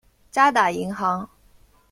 渣打银行。